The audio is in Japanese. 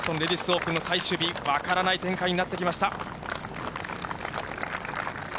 オープンの最終日、分からない展開になってきました。